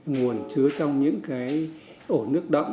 nguồn chứa trong những cái ổ nước đậm